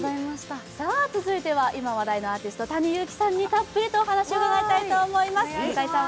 続いては今話題のアーティストＴａｎｉＹｕｕｋｉさんにたっぷりとお話を伺いたいと思います。